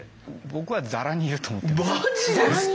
僕はざらにいると思ってます。